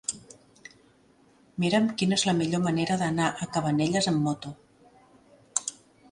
Mira'm quina és la millor manera d'anar a Cabanelles amb moto.